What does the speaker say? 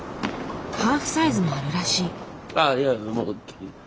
ハーフサイズもあるらしい。